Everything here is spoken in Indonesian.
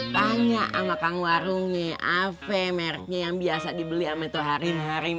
banyak ama kang warungnya ave mereknya yang biasa dibeli ama tuh harim harim